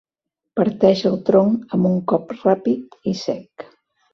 Parteix el tronc amb un cop ràpid i sec.